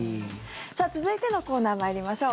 続いてのコーナー参りましょう。